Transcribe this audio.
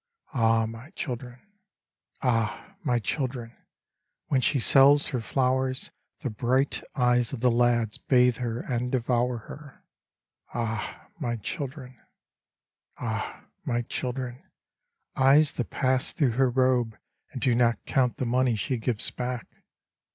Ah I my children I Ah I my children ! when she sells her flowers The bright eyes of the lads bathe her and devour her. Ah I my children I Ah I my children ! eyes that pass through her robe And do not count the money she gives back.